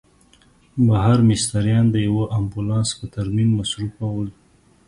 بهر مستریان د یوه امبولانس په ترمیم مصروف ول.